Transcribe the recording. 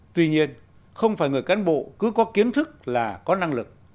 tuy nhiên không phải người cán bộ cứ có kiến thức là có năng lực